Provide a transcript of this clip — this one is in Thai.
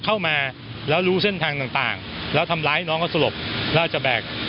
เข้ามาแล้วรู้เส้นทางต่างต่างแล้วทำร้ายน้องเขาสลบแล้วจะแบก